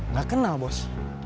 nggak kenal bos